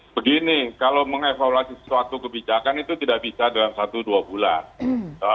begini kalau mengevaluasi suatu kebijakan itu tidak bisa dalam satu dua bulan